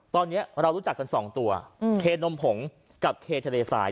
ตอนนี้เรารู้จักกันสองตัวเคนมผงกับเคทะเลทราย